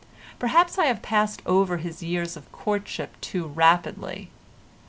Perhaps I have passed over his years of courtship too rapidly.